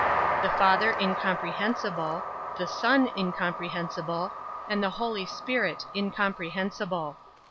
9. The Father incomprehensible, the Son incomprehensible, and the Holy Spirit incomprehensible.